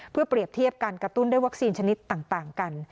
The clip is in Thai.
เพื่อเปรียบเทียบการกระตุ้นด้วยวัคซีนชนิดต่างกัน